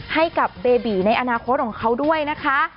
ให้กับเบบีในอนาคตของเขาด้วยนะคะ